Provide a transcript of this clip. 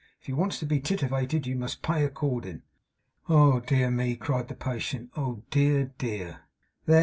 If you wants to be tittivated, you must pay accordin'.' 'Oh dear me!' cried the patient, 'oh dear, dear!' 'There!